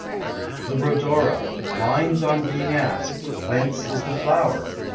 THE RHODORA. LINES OX BEING ASKED, WHENCE IS THE FLOWER?